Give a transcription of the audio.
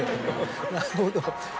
なるほど。